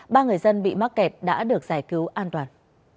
ba người dân bị mắc kẹt đã được giải cứu an toàn